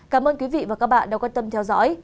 cảm ơn quý vị và các bạn đã quan tâm theo dõi